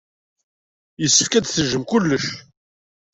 Yessefk ad d-tejjem kullec.